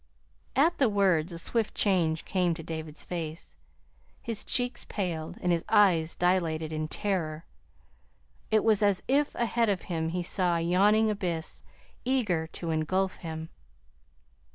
At the words a swift change came to David's face. His cheeks paled and his eyes dilated in terror. It was as if ahead of him he saw a yawning abyss, eager to engulf him.